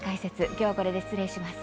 今日はこれで失礼します。